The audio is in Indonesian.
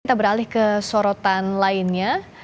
kita beralih ke sorotan lainnya